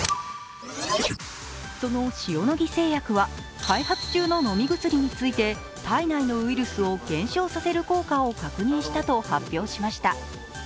その塩野義製薬は開発中の飲み薬について体内のウイルスを減少させる効果を確認したと発表しました。